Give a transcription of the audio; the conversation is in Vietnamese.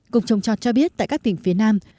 cục trồng trọt cho biết tại các tỉnh phía nam